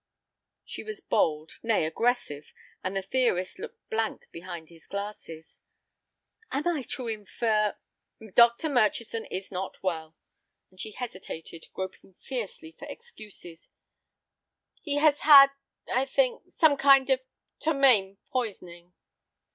She was bold, nay, aggressive, and the theorist looked blank behind his glasses. "Am I to infer—?" "Dr. Murchison is not well," and she hesitated, groping fiercely for excuses; "he has had—I think—some kind of ptomaine poisoning.